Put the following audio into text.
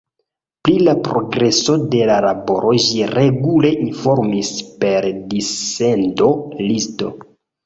Pri la progreso de la laboro ĝi regule informis per dissendo-listo.